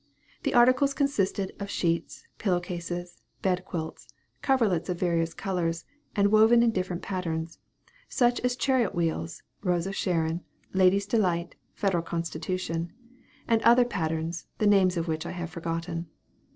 The articles consisted of sheets, pillow cases, bed quilts, coverlets of various colors, and woven in different patterns, such as chariot wheels, rose of sharon, ladies' delight, federal constitution and other patterns, the names of which I have forgotten.